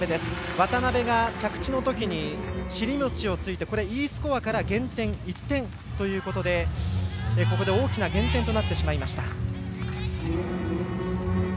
渡部が着地の時に尻餅をついてＥスコアから減点１点ということでここで大きな減点となってしまいました。